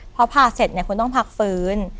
พอผ่าเสร็จคุณต้องพักฟื้น